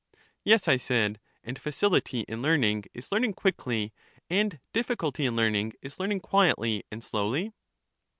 Yes, I said; and facility in learning is learning quickly, and difficulty in learning is learning quietly and slowly?